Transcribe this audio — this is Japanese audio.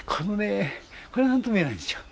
これが何とも言えないんですよ。